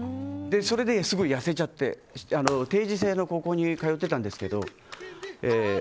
それですごい痩せちゃって定時制の高校に通ってたんですけど。